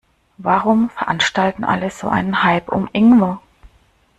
Warum veranstalten alle so einen Hype um Ingwer?